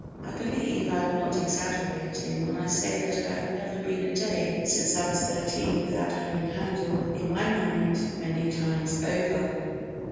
I believe I am not exaggerating when I say that I have never been a day since I was 13 without having Handel in my mind many times over."